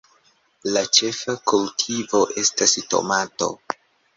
La ĉefa kultivo estas tomato.